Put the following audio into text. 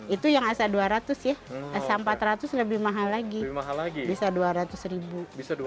itu yang asa dua ratus ya asa empat ratus lebih mahal lagi bisa dua ratus ribu bisa dua ratus